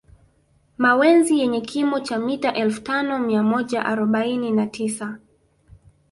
Mawenzi yenye kimo cha mita elfu tano mia moja arobaini na tisa